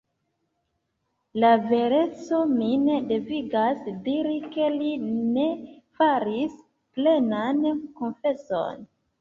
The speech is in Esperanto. La vereco min devigas diri, ke li ne faris plenan konfeson.